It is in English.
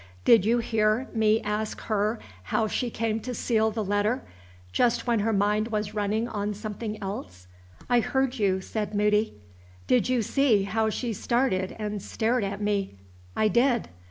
Did you hear me ask her how she came to seal the letter just when her mind was running on something else?" "I heard you," said Moody. "Did you see how she started and stared at me?" "I did."